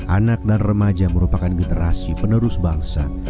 anak dan remaja merupakan generasi penerus bangsa